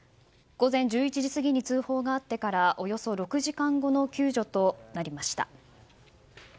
午前１１時過ぎに通報があってからおよそ６時間後の救助となりました。